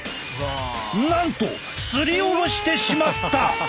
なんとすりおろしてしまった！